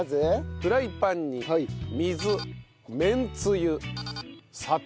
フライパンに水めんつゆ砂糖。